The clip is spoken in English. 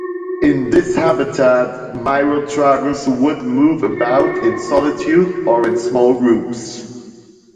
In this habitat, "Myotragus" would move about in solitude or in small groups.